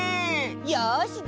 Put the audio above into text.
よしじゃあ